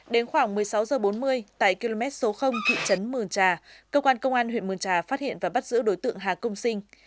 đến khoảng một mươi sáu h bốn mươi tại km số thị trấn mường trà cơ quan công an huyện mường trà phát hiện và bắt giữ đối tượng hà công sinh